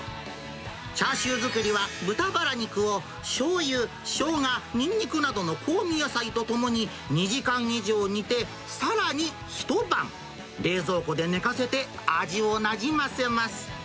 チャーシュー作りは、豚ばら肉をしょうゆ、しょうが、にんにくなどの香味野菜とともに２時間以上にて、さらに一晩、冷蔵庫で寝かせて、味をなじませます。